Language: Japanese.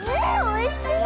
おいしい？